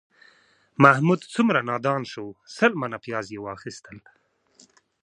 محمود څومره نادان شو، سل منه پیاز یې واخیستل